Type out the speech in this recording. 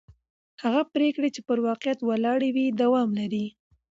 هغه پرېکړې چې پر واقعیت ولاړې وي دوام لري